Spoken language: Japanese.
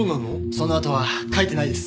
そのあとは書いてないです。